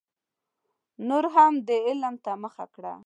نورو هم دې علم ته مخه کړه.